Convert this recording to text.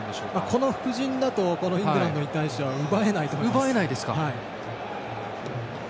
この布陣だとイングランドに対して奪えないと思います。